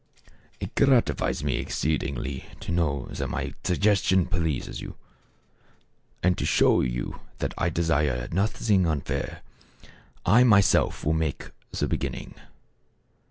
" It gratifies me exceedingly to know that my suggestion pleases you," returned Selim. "And to show you that I desire nothing unfair, I my self will make the beginning."